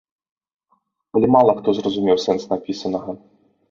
Але мала хто зразумеў сэнс напісанага.